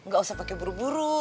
gak usah pakai buru buru